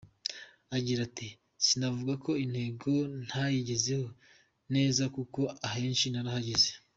Agira ati “Sinavuga ko intego ntayigezeho neza kuko ahenshi narahageze.